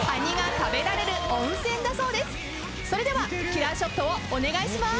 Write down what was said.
それではキラーショットをお願いします。